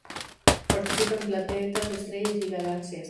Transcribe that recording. Participan planetas, estrellas y galaxias.